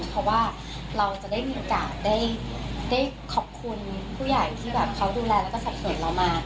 เพราะว่าเราจะได้มีคุณคุณผู้ใหญ่ที่เขาดูแลแล้วก็สะเรือเรามา